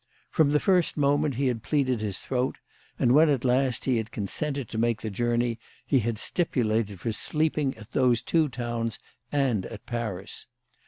From the first moment he had pleaded his throat, and when at last he had consented to make the journey he had stipulated for sleeping at those two towns and at Paris.